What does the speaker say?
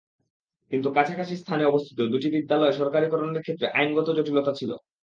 কিন্তু কাছাকাছি স্থানে অবস্থিত দুটি বিদ্যালয় সরকারীকরণের ক্ষেত্রে আইনগত জটিলতা ছিল।